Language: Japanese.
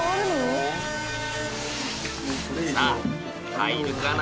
さあ入るかな？